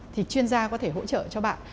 thì chuyên gia có thể hỗ trợ cho bạn